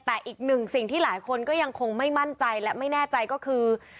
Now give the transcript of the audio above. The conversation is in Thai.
แต่อีกหนึ่งสิ่งที่หลายคนก็ยังคงไม่มั่นใจและไม่แน่ใจก็คือ